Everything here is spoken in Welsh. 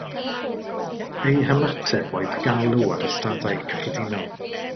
Eu hymateb oedd galw ar y stadau cyffredinol